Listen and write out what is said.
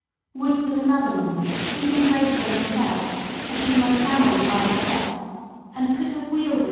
Would that another woman, even greater than herself, had been untrammelled by her sex, and could have wielded 10 MBS.